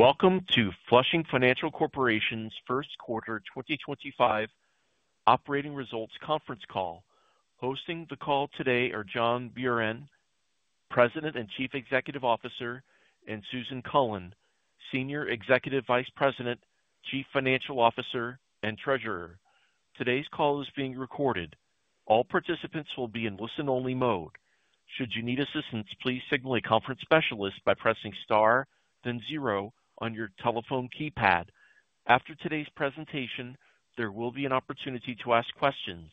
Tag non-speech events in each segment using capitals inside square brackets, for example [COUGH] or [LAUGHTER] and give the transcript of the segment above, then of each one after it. Welcome to Flushing Financial Corporation's Q1 2025 Operating Results Conference Call. Hosting the call today are John Buran, President and Chief Executive Officer, and Susan Cullen, Senior Executive Vice President, Chief Financial Officer and Treasurer. Today's call is being recorded. All participants will be in listen-only mode. Should you need assistance, please signal a conference specialist by pressing star then zero on your telephone keypad. After today's presentation, there will be an opportunity to ask questions.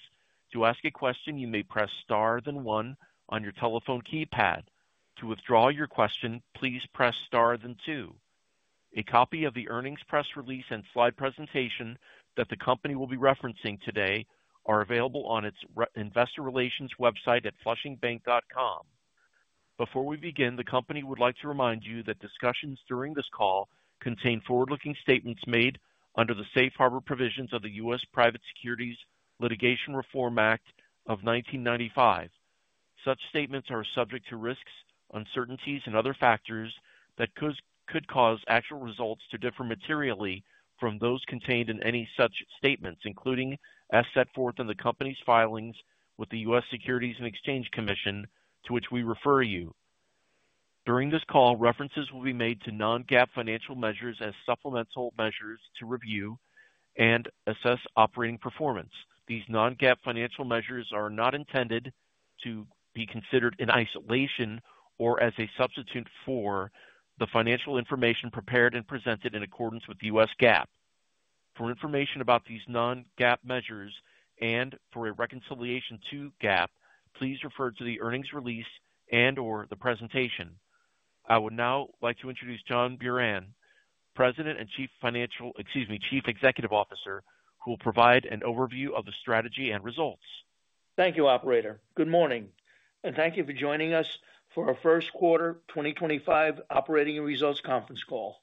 To ask a question, you may press star then one on your telephone keypad. To withdraw your question, please press star then two. A copy of the earnings press release and slide presentation that the Company will be referencing today are available on its investor relations website at flushingbank.com. Before we begin, the Company would like to remind you that discussions during this call contain forward looking statements made under the safe harbor provisions of the U.S. Private Securities Litigation Reform Act of 1995. Such statements are subject to risks, uncertainties and other factors that could cause actual results to differ materially from those contained in any such statements, including as set forth in the Company's filings with the U.S. Securities and Exchange Commission, to which we refer you. During this call, references will be made to non-GAAP financial measures as supplemental measures to review and assess operating performance. These non-GAAP financial measures are not intended to be considered in isolation or as a substitute for the financial information prepared and presented in accordance with U.S. GAAP. For information about these non-GAAP measures and for a reconciliation to GAAP, please refer to the earnings release and or the presentation. I would now like to introduce John Buran, President and Chief Executive Officer, who will provide an overview of the strategy and results. Thank you, Operator. Good morning and thank you for joining us for our Q1 2025 operating and results conference call.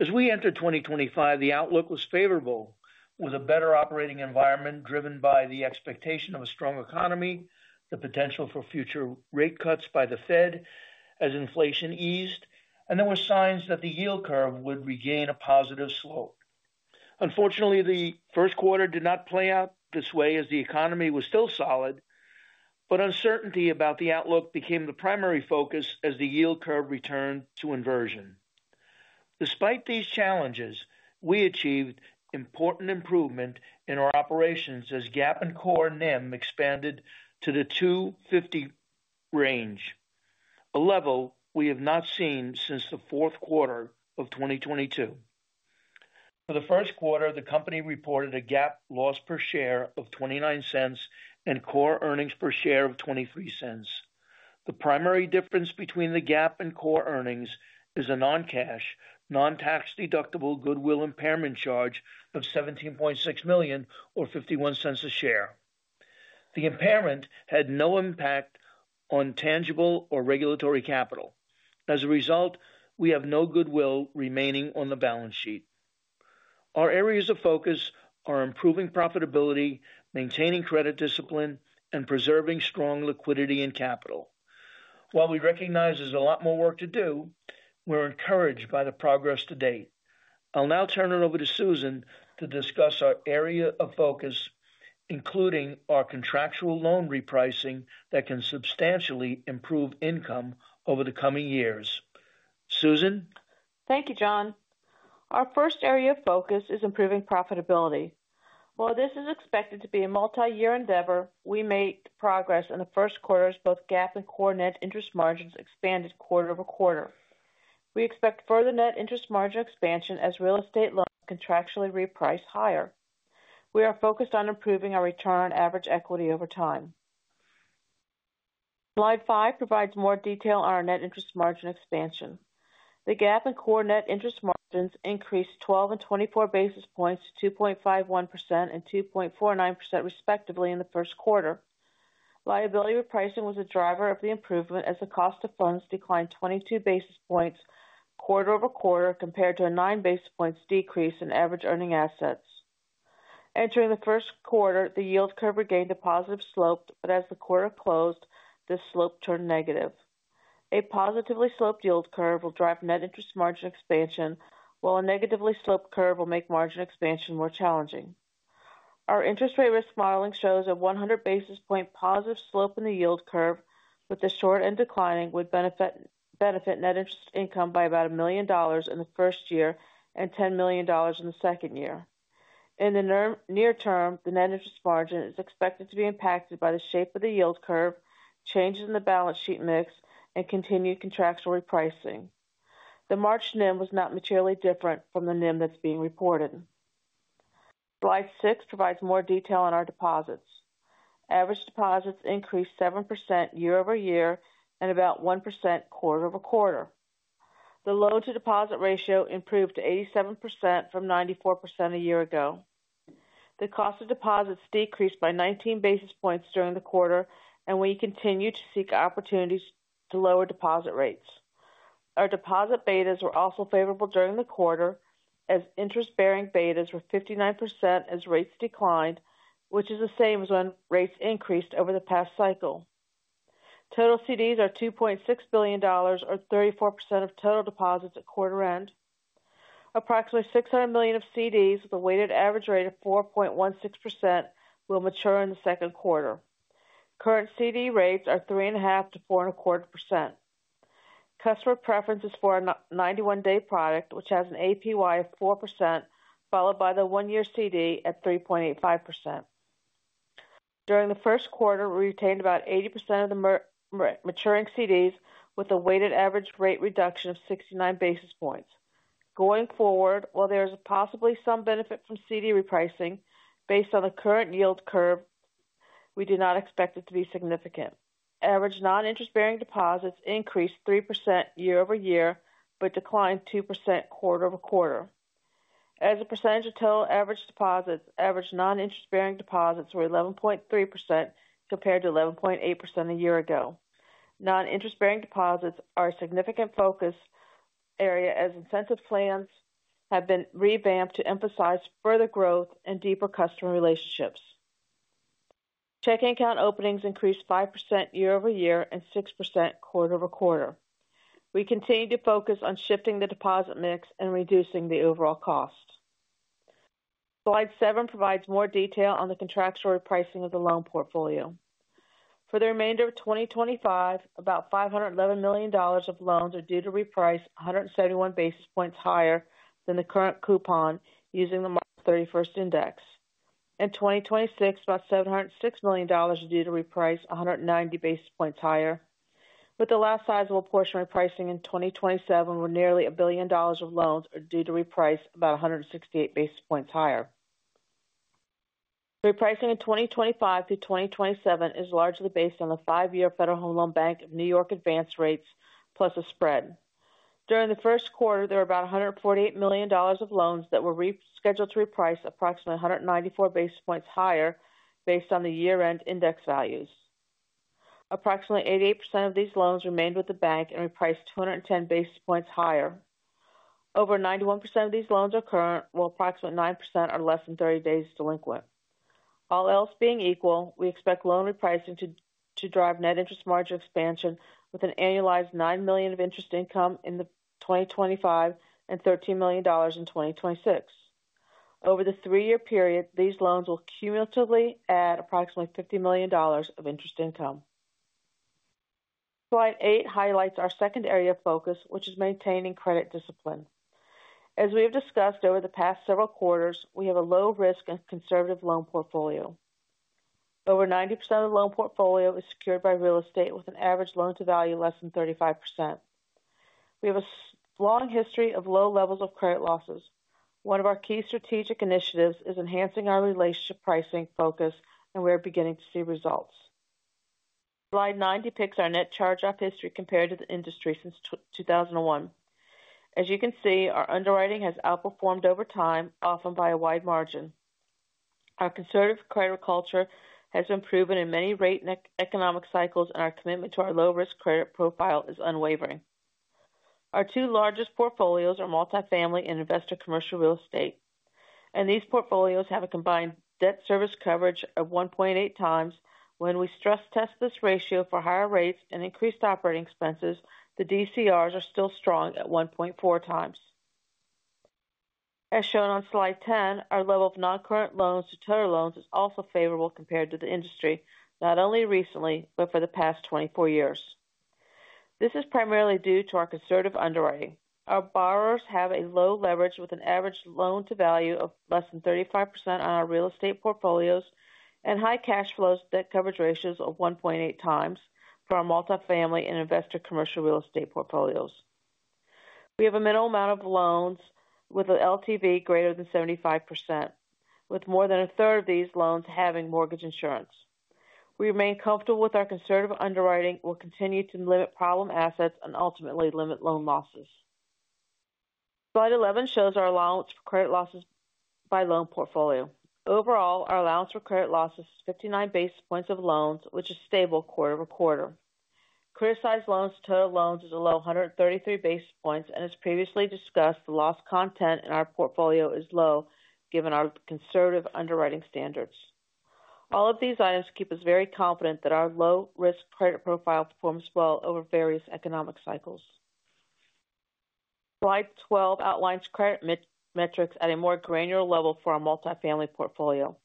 As we entered 2025, the outlook was favorable with a better operating environment driven by the expectation of a strong economy, the potential for future rate cuts by the Fed as inflation eased, and there were signs that the yield curve would regain a positive slope. Unfortunately, the Q1 did not play out this way as the economy was still solid, but uncertainty about the outlook became the primary focus as the yield curve returned to inversion. Despite these challenges, we achieved important improvement in our operations as GAAP and Core NIM expanded to the 2.50 range, a level we have not seen since the of 2022. For the Q1, the company reported a GAAP loss per share of $0.29 and core earnings per share of $0.23. The primary difference between the GAAP and core earnings is a non cash, non tax deductible goodwill impairment charge of $17.6 million or $0.51 a share. The impairment had no impact on tangible or regulatory capital. As a result, we have no goodwill remaining on the balance sheet. Our areas of focus are improving profitability, maintaining credit discipline and preserving strong liquidity and capital. While we recognize there's a lot more work to do, we're encouraged by the progress to date. I'll now turn it over to Susan to discuss our area of focus, including our contractual loan repricing that can substantially improve income over the coming years. Susan. thank you. John, our first area of focus is improving profitability. While this is expected to be a multi-year endeavor, we made progress in the first quarter as both GAAP and core net interest margins expanded quarter-over-quarter. We expect further net interest margin expansion as real estate loans contractually reprice higher. We are focused on improving our return on average equity over time. Slide 5 provides more detail on our net interest margin expansion. The GAAP and core net interest margins increased 12 and 24 basis points to 2.51% and 2.49%, respectively, in the first quarter. Liability repricing was a driver of the improvement as the cost of funds declined 22 basis points quarter-over-quarter compared to a 9 basis points decrease in average earning assets entering the Q1. The yield curve regained a positive slope, but as the quarter closed this slope turned negative. A positively sloped yield curve will drive net interest margin expansion while a negatively sloped curve will make margin expansion more challenging. Our interest rate risk modeling shows a 100 basis point positive slope in the yield curve with the short and declining would benefit net interest income by about $1 million in the first year and $10 million in the second year. In the near term, the net interest margin is expected to be impacted by the shape of the yield curve, changes in the balance sheet mix and continued contractual repricing. The March NIM was not materially different from the NIM that's being reported. Slide 6 provides more detail on our deposits. Average deposits increased 7% year-over-year and about 1% quarter-over-quarter. The loan to deposit ratio improved to 87% from 94% a year ago. The cost of deposits decreased by 19 basis points during the quarter and we continue to seek opportunities to lower deposit rates. Our deposit betas were also favorable during the quarter as interest bearing betas were 59% as rates declined, which is the same as when rates increased over the past cycle. Total CDs are $2.6 billion or 34% of total deposits at quarter end. Approximately $600 million of CDs with a weighted average rate of 4.16% will mature in the Q2. Current CD rates are 3.5-4.25%. Customer preference is for a 91 day product which has an APY of 4% followed by the one year CD at 3.85%. During the Q1 we retained about 80% of the maturing CDs with a weighted average rate reduction of 69 basis points going forward. While there is possibly some benefit from CD repricing based on the current yield curve, we do not expect it to be significant. Average non-interest-bearing deposits increased 3% year-over-year but declined 2% quarter-over-quarter. As a percentage of total average deposits, average non-interest-bearing deposits were 11.3% compared to 11.8% a year ago. Non-interest-bearing deposits are a significant focus area as incentive plans have been revamped to emphasize further growth and deeper customer relationships. Checking account openings increased 5% year-over-year and 6% quarter-over-quarter. We continue to focus on shifting the deposit mix and reducing the overall cost. Slide 7 provides more detail on the contractual repricing of the loan portfolio for the remainder of 2025. About $511 million of loans are due to reprice 171 basis points higher than the current coupon using the March 31st index. In 2026 about $706 million is due to reprice 190 basis points higher with the last sizable portion repricing in 2027 where nearly a billion dollars of loans are due to reprice about 168 basis points higher. Repricing in 2025-2027 is largely based on the five year Federal Home Loan Bank of New York advance rates plus a spread. During the Q1 there were about $148 million of loans that were scheduled to reprice approximately 194 basis points higher based on the year end index values. Approximately 88% of these loans remained with the bank and repriced 210 basis points higher. Over 91% of these loans are current while approximately 9% are less than 30 days delinquent. All else being equal, we expect loan repricing to drive net interest margin expansion with an annualized $9 million of interest income in 2025 and $13 million in 2026. Over the three year period, these loans will cumulatively add approximately $50 million of interest income. Slide 8 highlights our second area of focus which is maintaining credit discipline. As we have discussed over the past several quarters, we have a low risk and conservative loan portfolio. Over 90% of the loan portfolio is secured by real estate with an average loan to value less than 35%. We have a long history of low levels of credit losses. One of our key strategic initiatives is enhancing our relationship pricing focus and we are beginning to see results. Slide 9 depicts our net charge off history compared to the industry since 2001. As you can see, our underwriting has outperformed over time, often by a wide margin. Our conservative credit culture has been proven in many rate and economic cycles and our commitment to our low risk credit profile is unwavering. Our two largest portfolios are multifamily and investor commercial real estate and these portfolios have a combined debt service coverage of 1.8 times. When we stress test this ratio for higher rates and increased operating expenses, the DCRs are still strong at 1.4 times, as shown on slide 10. Our level of noncurrent loans to total loans is also favorable compared to the industry not only recently but for the past 24 years. This is primarily due to our conservative underwriting. Our borrowers have a low leverage with an average loan to value of less than 35% on our real estate portfolios and high cash flows. Debt coverage ratios of 1.8 times. For our multifamily and investor commercial real estate portfolios, we have a minimal amount of loans with an LTV greater than 75%. With more than a third of these loans having mortgage insurance, we remain comfortable with our conservative underwriting. We'll continue to limit problem assets and ultimately limit loan losses. Slide 11 shows our allowance for credit losses by loan portfolio. Overall, our allowance for credit losses is 59 basis points of loans which is stable quarter-over-quarter. Criticized loans to total loans is a low 133 basis points and as previously discussed, the loss content in our portfolio is low. Given our conservative underwriting standards, all of these items keep us very confident that our low risk credit profile performs well over various economic cycles. Slide 12 outlines credit metrics at a more granular level for our multifamily portfolio.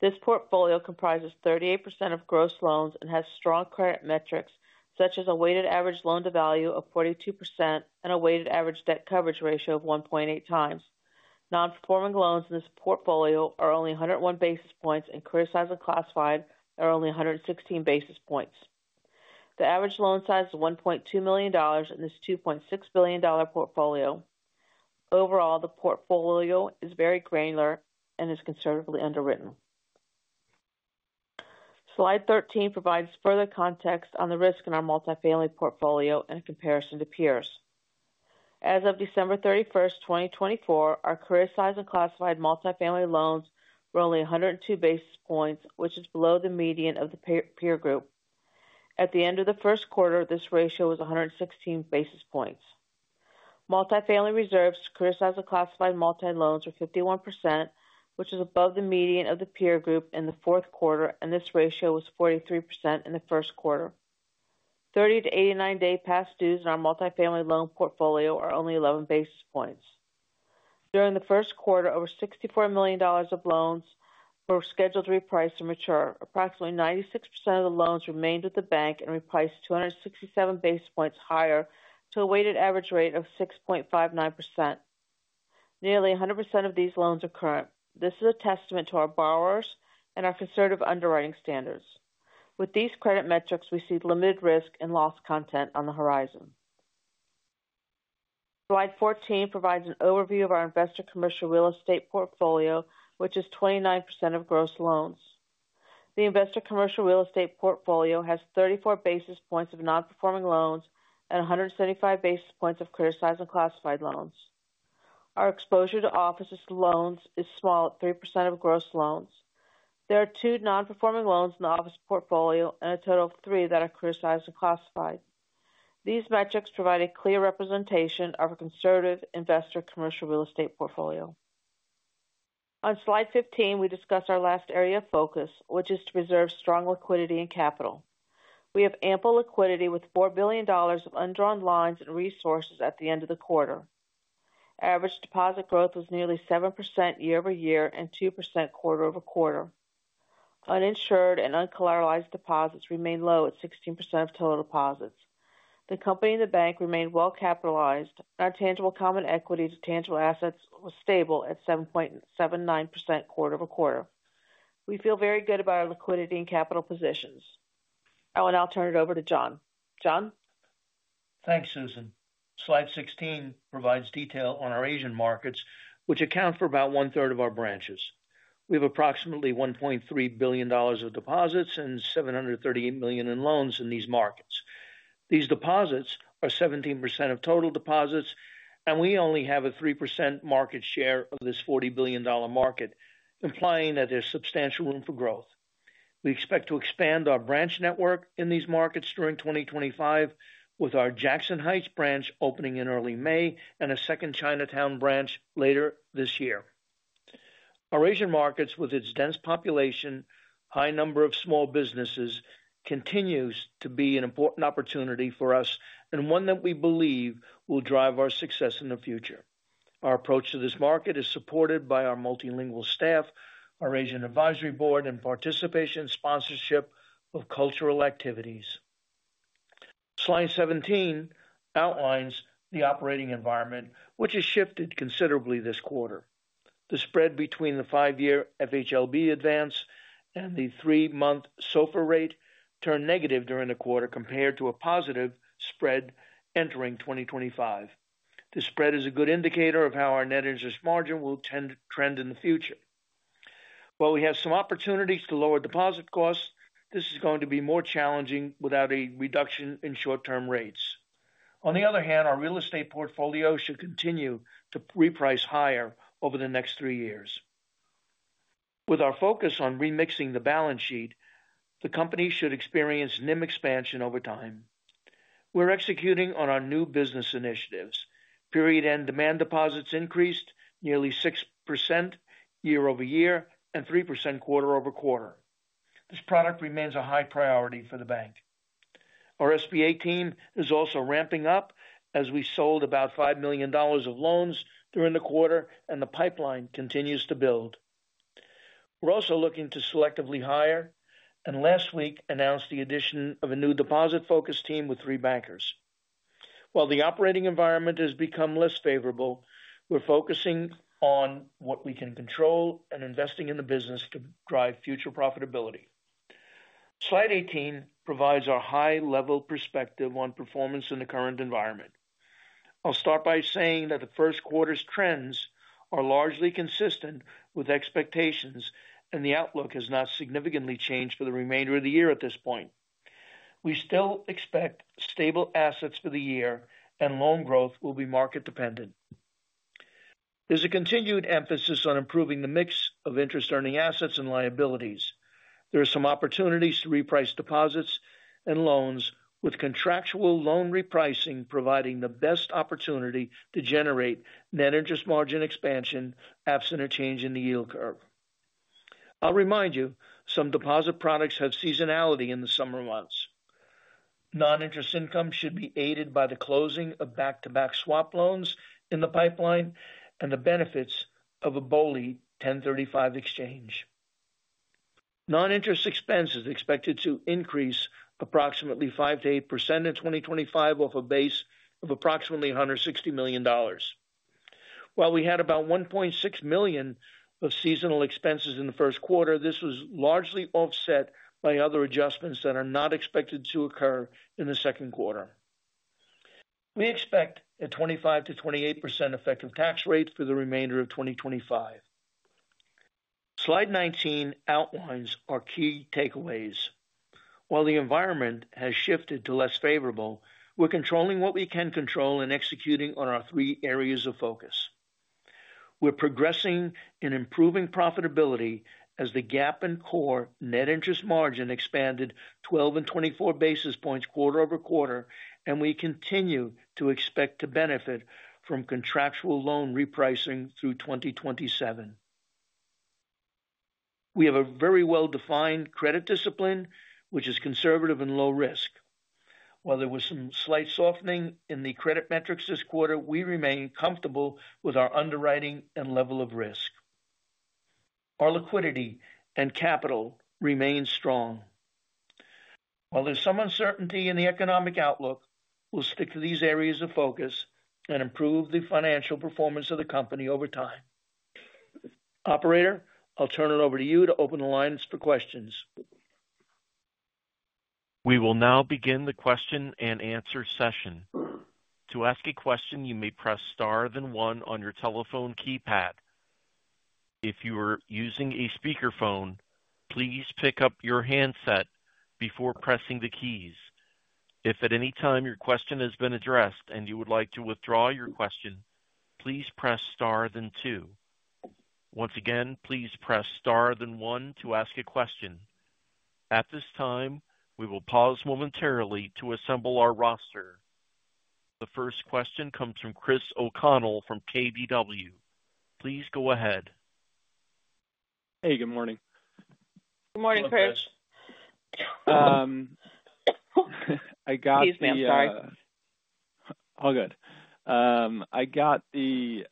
This portfolio comprises 38% of gross loans and has strong credit metrics such as a weighted average loan to value of 42% and a weighted average debt coverage ratio of 1.8 times. Non-performing loans in this portfolio are only 101 basis points and criticized and classified are only 116 basis points. The average loan size is $1.2 million in this $2.6 billion portfolio. Overall, the portfolio is very granular and is conservatively underwritten. Slide 13 provides further context on the risk in our multifamily portfolio in comparison to peers. As of December 31st, 2024, our criticized and classified multifamily loans were only 102 basis points which is below the median of the peer group. At the end of the Q1 this ratio was 116 basis points. Multifamily reserves criticized the classified multi loans were 51% which is above the median of the peer group in the Q4 and this ratio was 43% in the Q1. 30 to 89 day past dues in our multifamily loan portfolio are only 11 basis points. During the Q1, over $64 million of loans were scheduled to reprice or mature. Approximately 96% of the loans remained with the bank and repriced 267 basis points higher to a weighted average rate of 6.59%. Nearly 100% of these loans are current. This is a testament to our borrowers and our conservative underwriting standards. With these credit metrics we see limited risk and loss content on the horizon. Slide 14 provides an overview of our investor commercial real estate portfolio which is 29% of gross loans. The investor commercial real estate portfolio has 34 basis points of non-performing loans and 175 basis points of criticized and classified loans. Our exposure to office loans is small at 3% of gross loans. There are two non-performing loans in the office portfolio and a total of three that are criticized and classified. These metrics provide a clear representation of a conservative investor commercial real estate portfolio. On slide 15 we discuss our last area of focus, which is to preserve strong liquidity and capital. We have ample liquidity with $4 billion of undrawn lines and resources. At the end of the quarter, average deposit growth was nearly 7% year-over-year and 2% quarter-over-quarter. Uninsured and uncollateralized deposits remained low at 16% of total deposits. The company and the bank remained well capitalized. Our tangible common equity to tangible assets was stable at 7.79% quarter-over-quarter. We feel very good about our liquidity and capital positions. I will now turn it over to John. Thanks Susan. Slide 16 provides detail on our Asian markets which account for about one third of our branches. We have approximately $1.3 billion of deposits and $738 million in loans in these markets. These deposits are 17% of total deposits and we only have a 3% market share of this $40 billion market, implying that there's substantial room for growth. We expect to expand our branch network in these markets during 2025, with our Jackson Heights branch opening in early May and a second Chinatown branch later this year. Our Asian markets, with its dense population, high number of small businesses, continues to be an important opportunity for us and one that we believe will drive our success in the future. Our approach to this market is supported by our multilingual staff, our Asian Advisory Board, and participation sponsorship of cultural activities. Slide 17 outlines the operating environment, which has shifted considerably this quarter. The spread between the 5 year FHLB advance and the 3 month SOFR rate turned negative during the quarter compared to a positive spread entering 2025. The spread is a good indicator of how our net interest margin will tend to trend in the future. While we have some opportunities to lower deposit costs, this is going to be more challenging without a reduction in short term rates. On the other hand, our real estate portfolio should continue to reprice higher over the next three years. With our focus on remixing the balance sheet, the company should experience NIM expansion over time. We're executing on our new business initiatives. End demand deposits increased nearly 6% year-over-year and 3% quarter-over-quarter. This product remains a high priority for the bank. Our SBA team is also ramping up as we sold about $5 million of loans during the quarter and the pipeline continues to build. We're also looking to selectively hire and last week announced the addition of a new deposit focused team with three bankers. While the operating environment has become less favorable, we're focusing on what we can control and investing in the business to drive future profitability. Slide 18 provides our high level perspective on performance in the current environment. I'll start by saying that the Q1's trends are largely consistent with expectations and the outlook has not significantly changed for the remainder of the year. At this point, we still expect stable assets for the year and loan growth will be market dependent. There's a continued emphasis on improving the mix of interest earning assets and liabilities. There are some opportunities to reprice deposits and loans with contractual loan repricing providing the best opportunity to generate net interest margin expansion absent a change in the yield curve. I'll remind you some deposit products have seasonality in the summer months. Non-interest income should be aided by the closing of back-to-back swap loans in the pipeline and the benefits of a BOLI 1035 exchange. Non-interest expense is expected to increase approximately 5-8% in 2025 off a base of approximately $160 million. While we had about $1.6 million of seasonal expenses in the Q1, this was largely offset by other adjustments that are not expected to occur in the Q2. We expect a 25-28% effective tax rate for the remainder of 2025. Slide 19 outlines our key takeaways. While the environment has shifted to less favorable, we're controlling what we can control and executing on our three areas of focus. We're progressing in improving profitability as the GAAP and core net interest margin expanded 12% and 24 basis points quarter-over-quarter. We continue to expect to benefit from contractual loan repricing through 2027. We have a very well defined credit discipline which is conservative and low risk. While there was some slight softening in the credit metrics this quarter, we remain comfortable with our underwriting and level of our liquidity and capital remain strong. While there's some uncertainty in the economic outlook, we'll stick to these areas of focus and improve the financial performance of the company over time. Operator, I'll turn it over to you to open the lines for questions. We will now begin the question and answer session. To ask a question, you may press star then one on your telephone keypad. If you are using a speakerphone, please pick up your handset before pressing the keys. If at any time your question has been addressed and you would like to withdraw your question, please press star then two. Once again, please press star then one to ask a question. At this time, we will pause momentarily to assemble our roster. The first question comes from Chris O'Connell from KBW. Please go ahead. Hey, good morning. Good morning, Chris. Excuse me, I'm sorry. All good. I got the,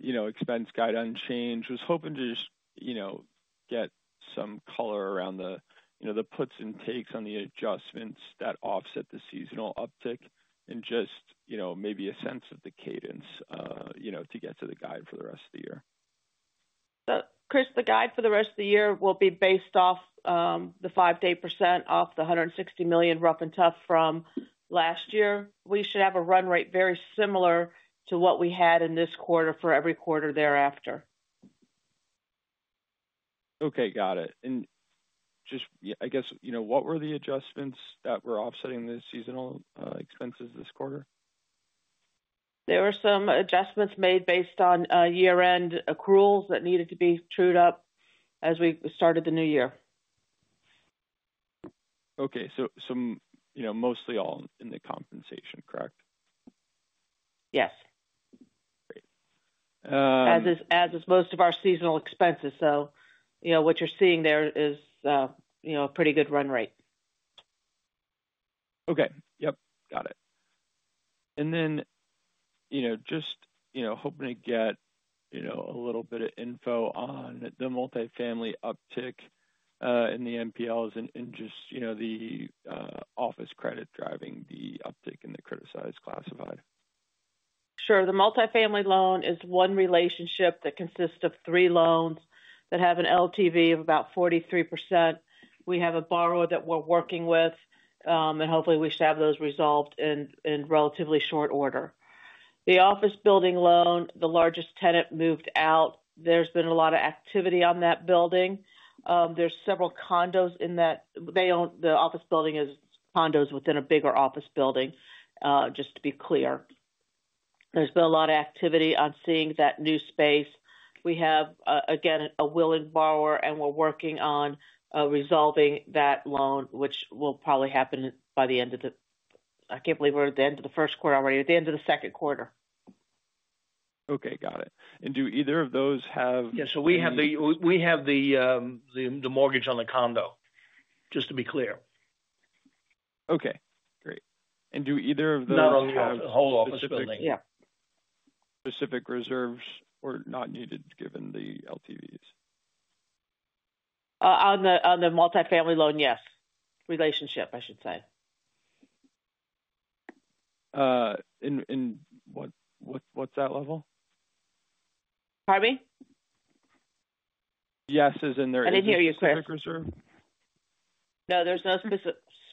you know, expense guide unchanged. Was hoping to just, you know, get some color around the, you know, the puts and takes on the adjustments that offset the seasonal uptick and just maybe a [INAUDIBLE] to get to the guide for the rest of the year. Chris, the guide for the rest of the year will be based off the 5%-8% off the $160 million rough and tough from last year. We should have a run rate very similar to what we had in this quarter for every quarter thereafter. Okay, got it. I guess, you know, what were the adjustments that were offsetting the seasonal expenses this quarter? There were some adjustments made based on year end accruals that needed to be trued up as we started the new year. Okay, so some, you know, mostly all in the compensation, correct? Yes, as is most of our seasonal expenses. You know, what you're seeing there is, you know, a pretty good run rate. Okay. Yep, got it. You know, just, you know, hoping to get, you know, a little bit of info on the multifamily uptick in the NPLs and just, you know, the office credit driving the uptick in the criticized classified. Sure. The multifamily loan is one relationship that consists of three loans that have an LTV of about 43%. We have a borrower that we're working with and hopefully we should have those resolved in relatively short order. The office building loan, the largest tenant moved out. There's been a lot of activity on that building. There are several condos in that they own. The office building is condos within a bigger office building, just to be clear. There's been a lot of activity on seeing that new space. We have again, a willing borrower and we're working on resolving that loan, which will probably happen by the end of the—I can't believe we're at the end of the Q1 already—at the end of the Q2. Okay, got it. Do either of those have. Yeah, we have the mortgage on the condo, just to be clear. Okay, great. Do either of. [CROSSTALK] [CROSSTALK] Yeah. Specific reserves are not needed given the LTVs. On the multifamily loan. Yes. Relationship, I should say. What’s that level? Pardon me? Yes, as in there. I didn't hear you, Chris. Specific reserve. No, there's no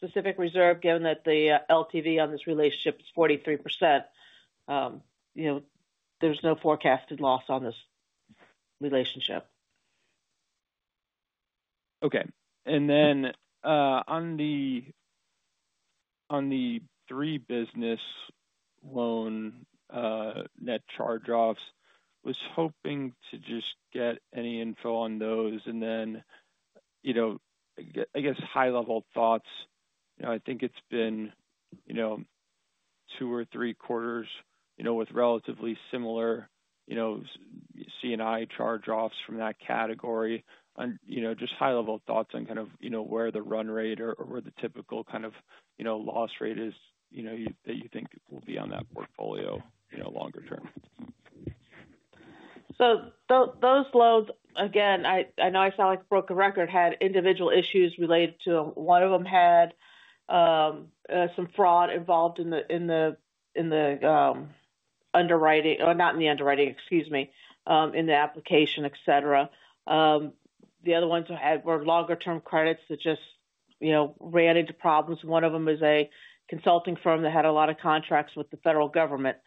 specific reserve. Given that the LTV on this relationship is 43%, you know, there's no forecasted loss on this relationship. Okay. And then on the three business loan net charge offs. Was hoping to just get any info on those and then, you know, I guess high level thoughts. I think it's been two or three quarters with relatively similar C&I charge offs from that category. Just high level thoughts on where the run rate or where the typical kind of loss rate is that you think will be on that portfolio longer term. Those loans again, I know I felt like a broken record. Had individual issues related to one of them. Had some fraud involved in the underwriting or not in the underwriting, excuse me, in the application, et cetera. The other ones were longer term credits that just, you know, ran into problems. One of them is a consulting firm that had a lot of contracts with the federal government.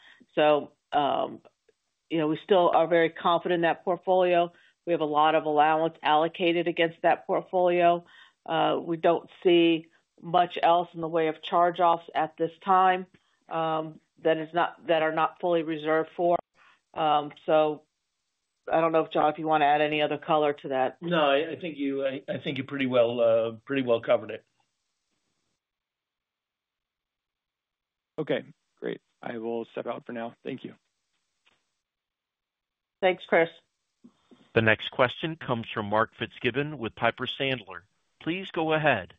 You know, we still are very confident in that portfolio. We have a lot of allowance allocated against that portfolio. We do not see much else in the way of charge offs at this time, that is not. That are not fully reserved for. I do not know if John, if you want to add any other color to that. No, I think you pretty well covered it. Okay, great. I will step out for now. Thank you. Thanks, Chris. The next question comes from Mark Fitzgibbon with Piper Sandler. Please go ahead.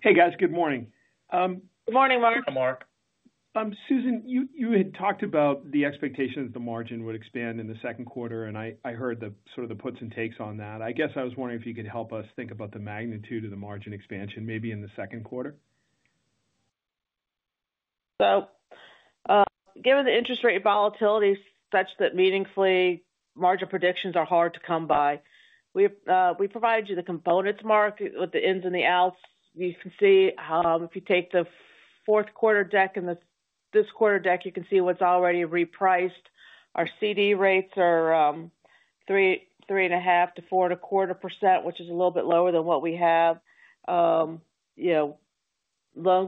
Hey guys, good morning. Good morning, Mark. Mark, Susan, you had talked about the expectations the margin would expand in the Q2 and I heard the sort of the puts and takes on that. I guess I was wondering if you could help us think about the magnitude of the margin expansion maybe in the Q2. Given the interest rate volatility such that meaningfully margin predictions are hard to come by. We provide you the components, Mark, with the ins and the outs. You can see how if you take the fourth quarter deck and this quarter deck, you can see what's already repriced. Our CD rates are 3.5%-4.25%, which is a little bit lower than what we have. Loan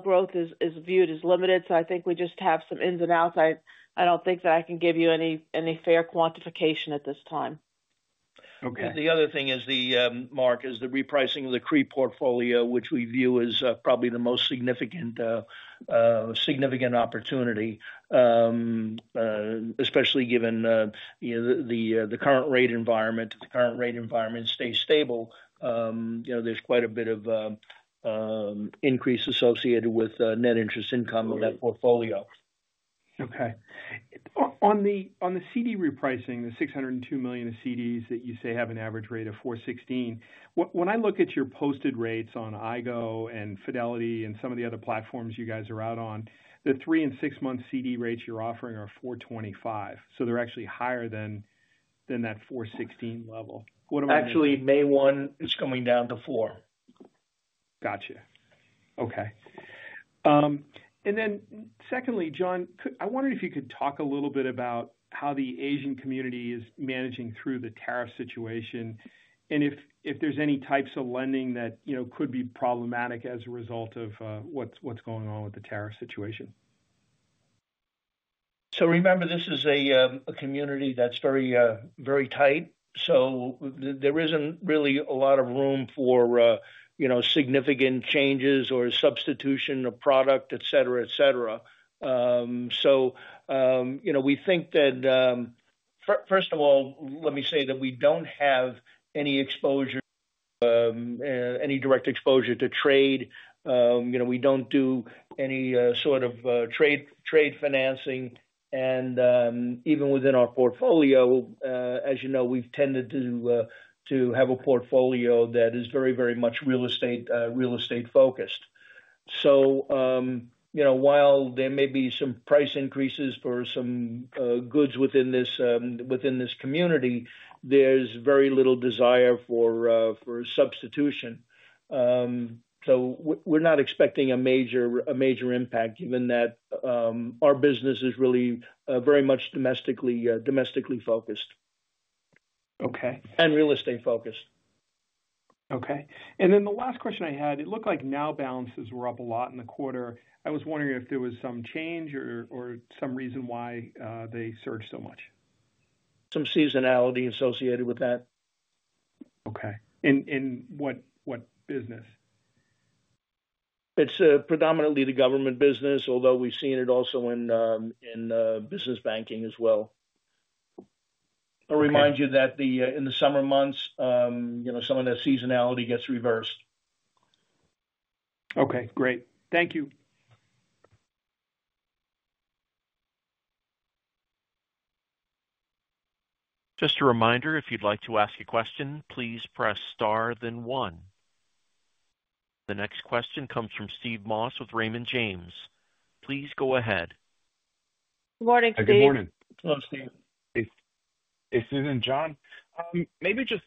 growth is viewed as limited. I think we just have some ins and outs. I do not think that I can give you any fair quantification at this time. Okay. The other thing is the Mark is the repricing of the CRE portfolio, which we view as probably the most significant, significant opportunity, especially given the current rate environment. The current rate environment stays stable. You know, there's quite a bit of increase associated with net interest income on that portfolio. Okay. On the CD repricing, the $602 million of CDs that you say have an average rate of 4.16%. When I look at your posted rates on iGO and Fidelity and some of the other platforms you guys are out on, the three and six month CD rates you're offering are 4.25%. So they're actually higher than, than that 4.16% level. Actually, May 1, it's coming down to four. Gotcha. Okay. Secondly, John, I wonder if you could talk a little bit about how the Asian community is managing through the tariff situation and if there's any types of lending that you know could be problematic as a result of what's going on with the tariff situation. Remember, this is a community that's very, very tight. There isn't really a lot of room for, you know, significant changes or substitution of product, et cetera, et cetera. You know, we think that first of all, let me say that we don't have any exposure, any direct exposure to trade. You know, we don't do any sort of trade financing. Even within our portfolio, as you know, we've tended to have a portfolio that is very, very much real estate focused. You know, while there may be some price increases for some goods within this, within this community, there's very little desire for substitution. We're not expecting a major impact given that our business is really very much domestically focused. Okay. Real estate focused. Okay. The last question I had, it looked like now balances were up a lot in the quarter. I was wondering if there was some change or some reason why they surged. Much, some seasonality associated with that. Okay, in what business? It's predominantly the government business, although we've seen it also in business banking as well. I'll remind you that in the summer months, you know, some of the seasonality gets reversed. Okay, great, thank you. Just a reminder, if you'd like to ask a question, please press star then one. The next question comes from Steve Moss with Raymond James. Please go ahead. Morning, Steve. Good morning. Hello, Steve. Hey, Susan. John, maybe just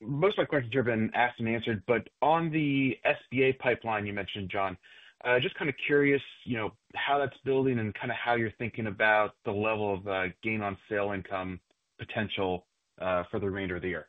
most of my questions have been asked and answered, but on the SBA pipeline you mentioned, John, just kind of curious, you know, how that's building and kind of how you're thinking about the level of gain on sale income potential for the remainder of the year.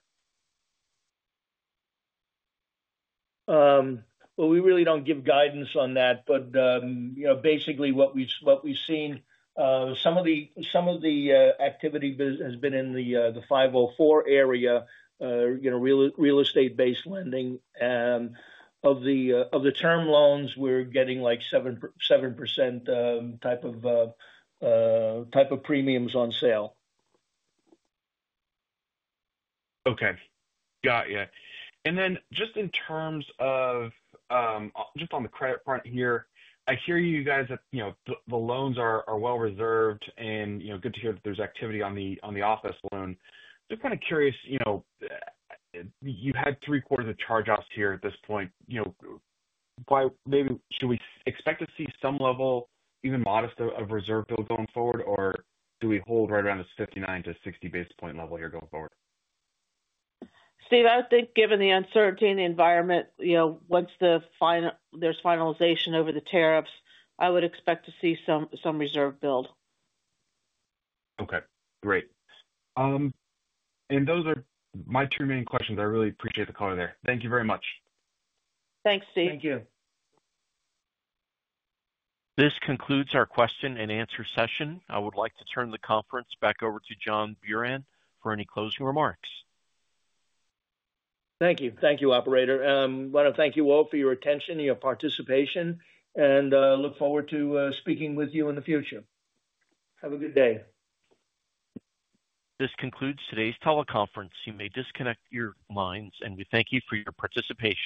We really don't give guidance on that. But you know, basically what we, what we've seen, some of the, some of the activity has been in the 504 area. You know, real estate based lending of the term loans. We're getting like 7-7% type of premiums on sale. Okay, got you. Just in terms of, just on the credit front here, I hear you guys that, you know, the loans are well reserved and, you know, good to hear that there's activity on the office loan. Kind of curious, you know, you had three quarters of charge offs here at this point. You know, why maybe should we expect to see some level, even modest, of reserve build going forward or do we hold right around this 59 to 60 basis point level here going forward? Steve, I think given the uncertainty in the environment, you know, once there's finalization over the tariffs, I would expect to see some reserve build. Okay, great. Those are my two main questions. I really appreciate the color there. Thank you very much. Thanks, Steve. Thank you. This concludes our question and answer session. I would like to turn the conference back over to John Buran for any closing remarks. Thank you. Thank you, Operator. Want to thank you all for your attention, your participation, and look forward to speaking with you in the future. Have a good day. This concludes today's teleconference. You may disconnect your lines. We thank you for your participation.